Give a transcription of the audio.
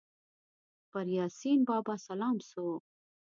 پر یاسین بابا سلام سو